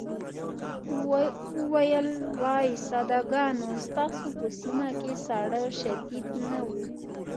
وویل وای ساده ګانو ستاسو په سيمه کې ساړه شديد نه وو.